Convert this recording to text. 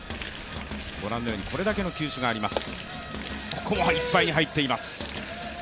これだけの球種があります。